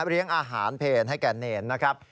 เลี้ยงอาหารเพลให้แก่เนรนะครับ